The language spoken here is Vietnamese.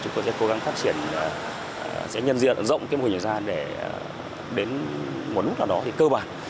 chúng tôi sẽ cố gắng phát triển sẽ nhân duyên ở rộng cái mô hình này ra để đến một lúc nào đó thì cơ bản